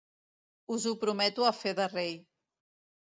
Us ho prometo a fe de rei.